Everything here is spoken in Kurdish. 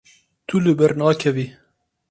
Tu li ber nakevî.